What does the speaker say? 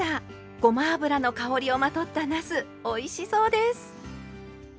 ごま油の香りをまとったなすおいしそうです！